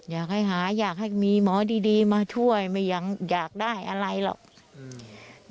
อยากให้หาอยากให้มีหมอดีมาช่วยไม่อยากได้อะไรหรอก